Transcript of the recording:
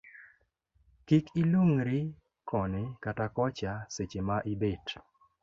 Kik ilung'ri koni kata kocha seche ma ibet